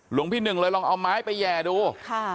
พี่หนึ่งเลยลองเอาไม้ไปแห่ดู